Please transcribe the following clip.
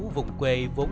vùng quê vùng đất nước